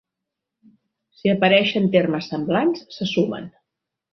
Si apareixen termes semblants, se sumen.